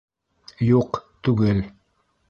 — Юҡ, түгел.